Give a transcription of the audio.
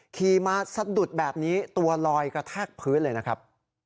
ขี่มาสะดุดแบบนี้ตัวลอยกระแทกพื้นเลยนะครับ